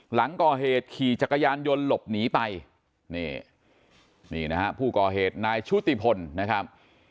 หลังก่อเหตุขี่จักรยานยนต์หลบหนีไปนี่นี่นะฮะผู้ก่อเหตุนายชุติพลนะครับ